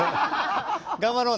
頑張ろうね。